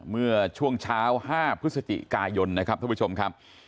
เมื่อช่วงเช้า๕พฤศจิกายนนะครับท่านผู้ชมครับ